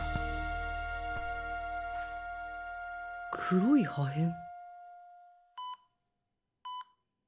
黒い破片